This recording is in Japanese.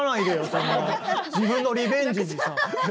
そんな自分のリベンジにさ。